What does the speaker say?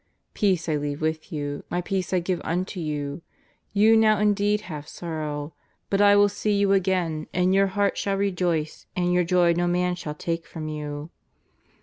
Peace I leave with you. My peace I give unto you. You now indeed have sorrow, but I will see you again and your heart shall rejoice, and your joy no man shall take from you."